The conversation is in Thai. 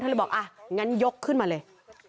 เลยบอกอ่ะงั้นยกขึ้นมาเลย